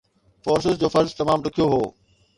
forces جو فرض تمام ڏکيو هو